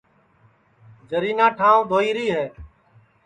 جرینا ٹھانٚوَ دھوئی ری ہے